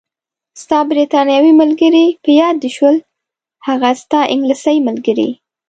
ستا بریتانوي ملګرې، په یاد دې شول؟ هغه ستا انګلیسۍ ملګرې.